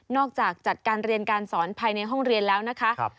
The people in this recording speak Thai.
จากจัดการเรียนการสอนภายในห้องเรียนแล้วนะคะ